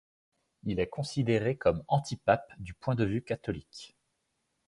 Il est considéré comme antipape du point de vue catholique.